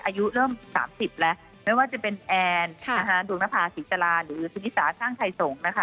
อายุเริ่มสามสิบแล้วไม่ว่าจะเป็นแอร์นดวงภาษีจราหรือสมิสราช่างไทยสงฆ์นะคะ